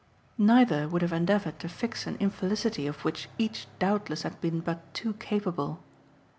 Neither would have endeavoured to fix an infelicity of which each doubtless had been but too capable.